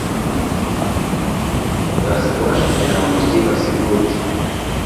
baza kubasha kugera mu Mujyi wa Sibut